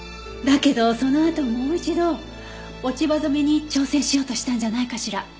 だけどそのあともう一度落ち葉染めに挑戦しようとしたんじゃないかしら。